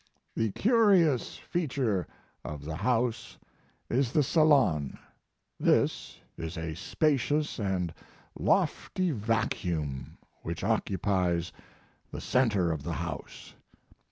The curious feature of the house is the salon. This is a spacious & lofty vacuum which occupies the center of the house.